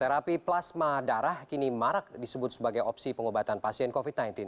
terapi plasma darah kini marak disebut sebagai opsi pengobatan pasien covid sembilan belas